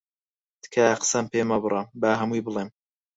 تکایە قسەم پێ مەبڕە، با هەمووی بڵێم.